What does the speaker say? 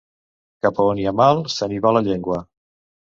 Cap a on hi ha mal, se n'hi va la llengua.